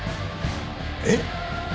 えっ！？